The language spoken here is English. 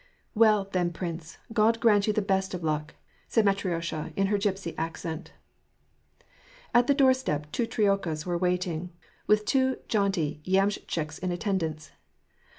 " Well, then, prince, God grant you the best of luck," said Matriosha, in her gypsy accent At the doorstep two troikas were waiting, with two jaunty yamschchiks in attendance.